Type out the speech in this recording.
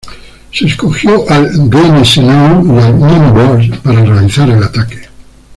Se escogió al "Gneisenau" y al "Nürnberg" para realizar el ataque.